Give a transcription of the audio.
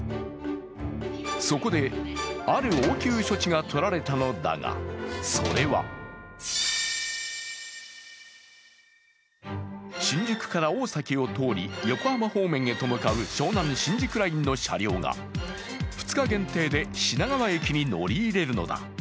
そこで、ある応急処置がとられたのだが、それは新宿から大崎を通り、横浜方面へと向かう湘南新宿ラインの車両が２日限定で品川駅に乗り入れるのだ。